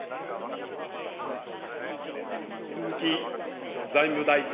鈴木財務大臣。